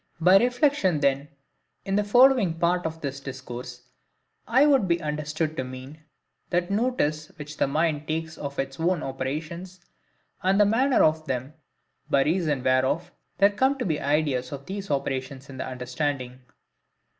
By reflection then, in the following part of this discourse, I would be understood to mean, that notice which the mind takes of its own operations, and the manner of them, by reason whereof there come to be ideas of these operations in the understanding.